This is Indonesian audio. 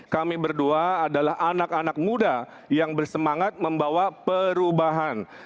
kami berdua adalah anak anak muda yang bersemangat membawa perubahan